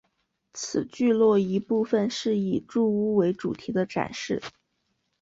此聚落一部份是以住屋为主题的展示。